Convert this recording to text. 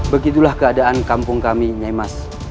begitulah keadaan kampung kami nyaimas